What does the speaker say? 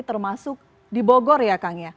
termasuk di bogor ya kang ya